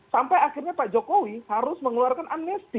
sampai akhirnya pak jokowi harus mengeluarkan amnesti